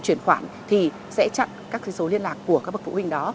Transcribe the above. chuyển khoản thì sẽ chặn các số liên lạc của các bậc phụ huynh đó